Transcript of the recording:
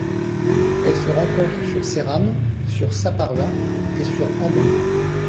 Elle se rencontre sur Céram, sur Saparua et sur Ambon.